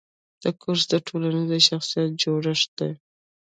کورس د ټولنیز شخصیت جوړښت دی.